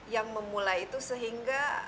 yang memulai itu sehingga